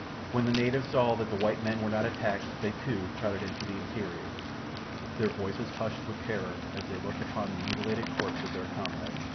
When the natives saw that the white men were not attacked they, too, crowded into the interior, their voices hushed with terror as they looked upon the mutilated corpse of their comrade.